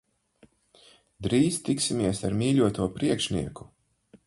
Drīz tiksimies ar mīļoto priekšnieku.